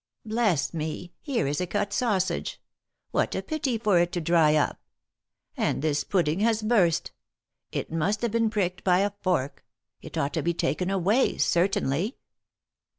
Bless me ! here is a cut sausage. What a pity for it to dry up ! And this pudding has burst. It must have been pricked by a fork. It ought to be taken away, certainly."